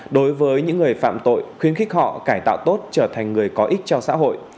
đối với những người phạm tội khuyến khích họ cải tạo tốt trở thành người có ích cho xã hội